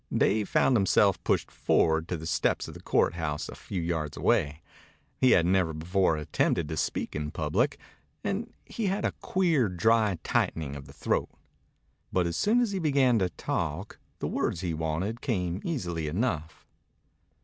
Dave found himself pushed forward to the steps of the court house a few yards away. He had never before attempted to speak in public, and he had a queer, dry tightening of the throat. But as soon as he began to talk the words he wanted came easily enough.